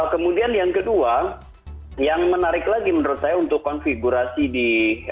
kemudian yang kedua yang menarik lagi menurut saya untuk konfigurasi di dua ribu dua puluh empat